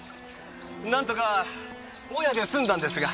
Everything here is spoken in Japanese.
なんとかぼやで済んだんですが。